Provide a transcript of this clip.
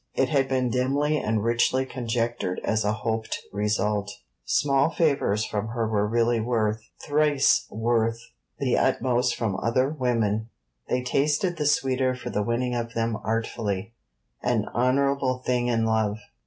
It had been dimly and richly conjectured as a hoped result. Small favours from her were really worth, thrice worth, the utmost from other women. They tasted the sweeter for the winning of them artfully an honourable thing in love.